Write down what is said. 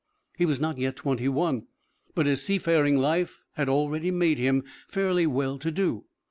He was not yet twenty one, but his seafaring life had already made him fairly well to do.